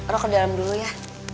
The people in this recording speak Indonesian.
roh ke dalam dulu ya